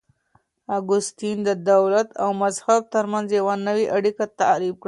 اګوستين د دولت او مذهب ترمنځ يوه نوې اړيکه تعريف کړه.